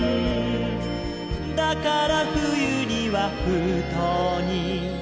「だから冬には封筒に」